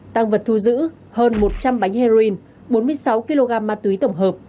tăng vật thu giữ hơn một trăm linh bánh heroin bốn mươi sáu kg ma túy tổng hợp